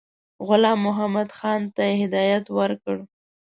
غلام محمدخان ته هدایت ورکړ.